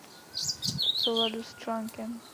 V souladu s čl.